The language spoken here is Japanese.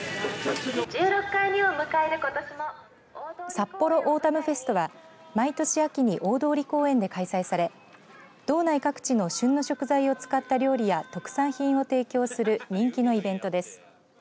さっぽろオータムフェストは毎年秋に大通公園で開催され道内各地の旬の食材を使った料理や特産品を提供する人気のイベントです。